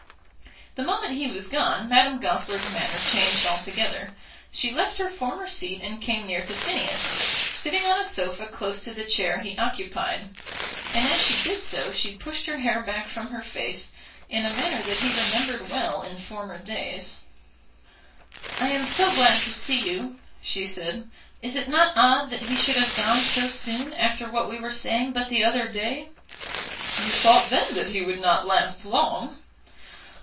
The moment he was gone Madame Goesler's manner changed altogether. She left her former seat and came near to Phineas, sitting on a sofa close to the chair he occupied; and as she did so she pushed her hair back from her face in a manner that he remembered well in former days. "I am so glad to see you," she said. "Is it not odd that he should have gone so soon after what we were saying but the other day?" "You thought then that he would not last long."